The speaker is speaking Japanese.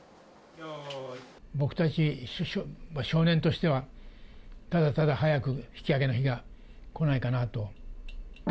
僕たち少年としては、ただただ早く引き揚げの日がこないかなと。